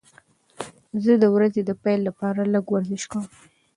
زه د ورځې د پیل لپاره لږه ورزش کوم.